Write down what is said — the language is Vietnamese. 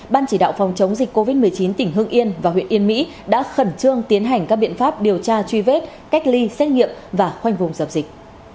ban chỉ đạo phòng chống dịch covid một mươi chín tỉnh hưng yên và huyện yên mỹ đã khẩn trương tiến hành các biện pháp điều tra truy vết cách ly xét nghiệm và khoanh vùng dập dịch